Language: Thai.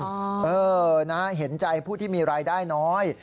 เออนะฮะเห็นใจผู้ที่มีรายได้น้อย